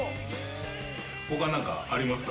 他に何かありますか？